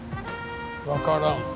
わからん。